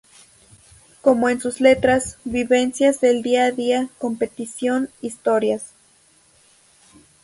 Como en sus letras, vivencias del día a día, competición, historias….